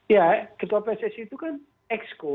ya ketua pssi itu kan exco